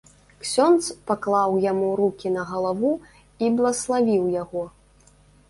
Ксёндз паклаў яму рукі на галаву і блаславіў яго.